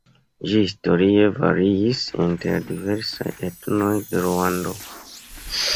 Ĝi historie variis inter la diversaj etnoj de Ruando.